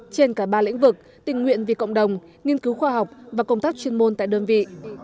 trên cả ba lĩnh vực tình nguyện vì cộng đồng nghiên cứu khoa học và công tác chuyên môn tại đơn vị